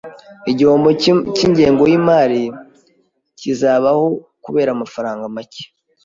Igihombo cyingengo yimari kizabaho kubera amafaranga make